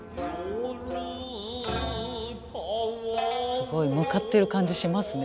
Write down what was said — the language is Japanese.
すごい向かってる感じしますね